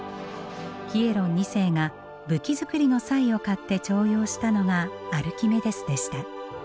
ヒエロン二世が武器作りの才を買って重用したのがアルキメデスでした。